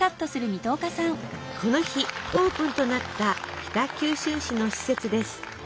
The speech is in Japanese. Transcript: この日オープンとなった北九州市の施設です。